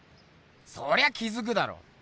そりゃ気づくだろ！